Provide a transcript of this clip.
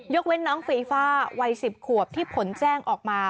เว้นน้องฟีฟ่าวัย๑๐ขวบที่ผลแจ้งออกมา